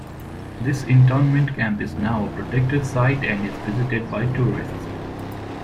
This internment camp is now a protected site and is visited by tourists.